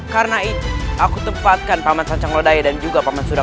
karena itu aku tempatkan paman sancang lodaya dan juga paman surakar